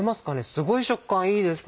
すごい食感いいですね。